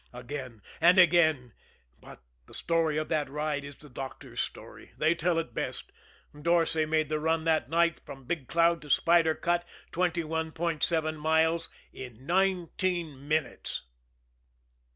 Again and again but the story of that ride is the doctors' story they tell it best. Dorsay made the run that night from Big Cloud to Spider Cut, twenty one point seven miles, in nineteen minutes.